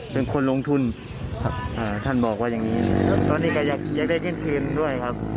เป็นคนลงทุนครับอ่าท่านบอกว่าอย่างนี้ตอนนี้ก็อยากได้เงินคืนด้วยครับ